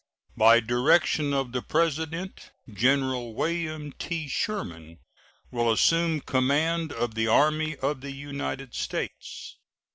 By direction of the President, General William T. Sherman will assume command of the Army of the United States.